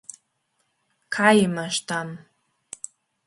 Kaj imaš tam?